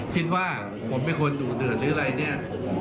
คิดว่าผมเป็นคนดุเดือดหรืออะไรเนี่ย